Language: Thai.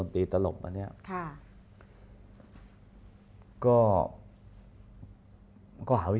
อเรนนี่แหละอเรนนี่แหละ